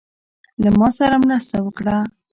له ماسره مرسته وکړه.